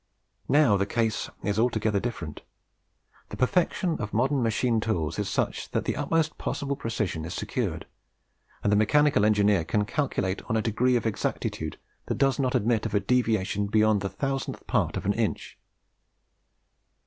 Now the case is altogether different. The perfection of modern machine tools is such that the utmost possible precision is secured, and the mechanical engineer can calculate on a degree of exactitude that does not admit of a deviation beyond the thousandth part of an inch.